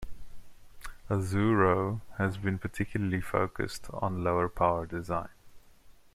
Azuro has been particularly focussed on lower power design.